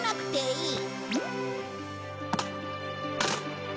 いい？